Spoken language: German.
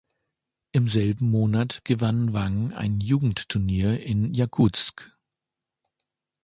Im selben Monat gewann Wang ein Jugendturnier in Jakutsk.